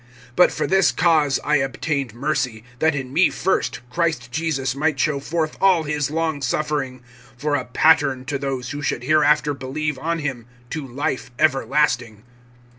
(16)But for this cause I obtained mercy, that in me first[1:16a] Christ Jesus might show forth all his long suffering[1:16b], for a pattern to those who should hereafter believe on him to life everlasting.